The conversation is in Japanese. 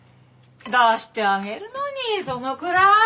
出してあげるのにそのくらい！